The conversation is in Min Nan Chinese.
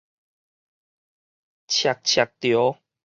嚓嚓趒